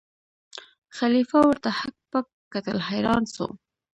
خلیفه ورته هک پک کتل حیران سو